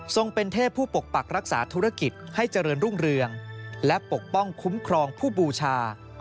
เป็นเทพผู้ปกปักรักษาธุรกิจให้เจริญรุ่งเรืองและปกป้องคุ้มครองผู้บูชา